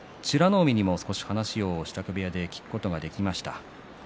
海にも、話を支度部屋で聞くことができました。